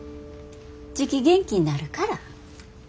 じき元気になるから。